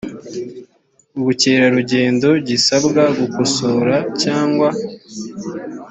ubukerarugendo gisabwa gukosora cyangwa